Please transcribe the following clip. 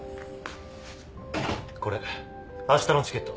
これあしたのチケット。